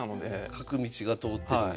角道が通ってるんや。